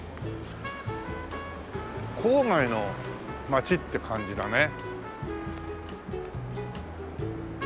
郊外の街って感じだね。